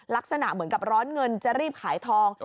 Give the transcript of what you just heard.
ลักษณะเหมือนกับร้อนเงินจะรีบขายทอง